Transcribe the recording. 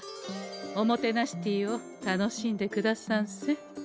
おもてなしティーを楽しんでくださんせ。